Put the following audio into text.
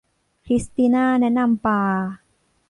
คริสติน่าแนะนำปลา